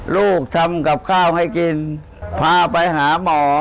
ลูกทำกับข้าวให้กินพาไปหาหมอ